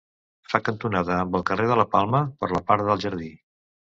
Fa cantonada amb el carrer de la Palma, per la part del jardí.